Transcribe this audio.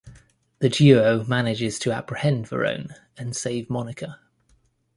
The duo manages to apprehend Verone and save Monica.